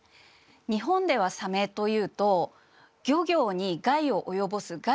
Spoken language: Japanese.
日本ではサメというと漁業に害を及ぼす害